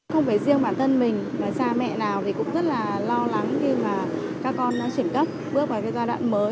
không phải riêng bản thân mình mà ra mẹ nào thì cũng rất là lo lắng khi mà các con nó chuyển cấp bước vào cái giai đoạn mới